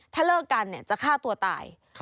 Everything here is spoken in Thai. ถ้าเลิกกันจะฆ่าตัวตาย